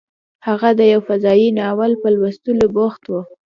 هغه د یو فضايي ناول په لوستلو بوخت و